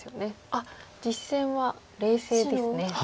あっ実戦は冷静ですね。